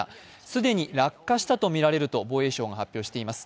既に落下したとみられると防衛省が発表しています。